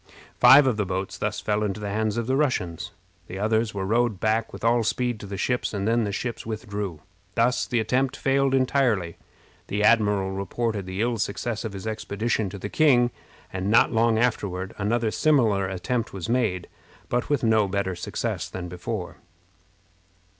Five of the boats thus fell into the hands of the Russians. The others were rowed back with all speed to the ships, and then the ships withdrew. Thus the attempt failed entirely. The admiral reported the ill success of his expedition to the king, and not long afterward another similar attempt was made, but with no better success than before.